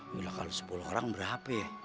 yalah kalau sepuluh orang ber hp